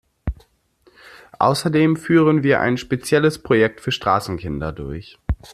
Außerdem führen wir ein spezielles Projekt für Straßenkinder durch.